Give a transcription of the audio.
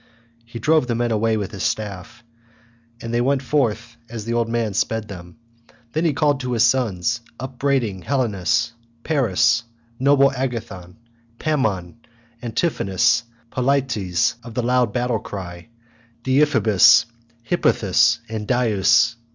He drove the men away with his staff, and they went forth as the old man sped them. Then he called to his sons, upbraiding Helenus, Paris, noble Agathon, Pammon, Antiphonus, Polites of the loud battle cry, Deiphobus, Hippothous, and Dius.